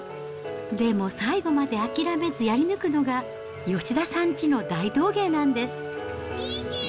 でも、最後まで諦めずやり抜くのが、吉田さんちの大道芸なんです。